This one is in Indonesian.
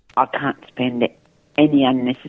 saya tidak bisa menghabiskan uang yang tidak perlu